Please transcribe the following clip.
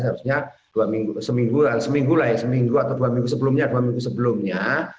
seharusnya seminggu atau dua minggu sebelumnya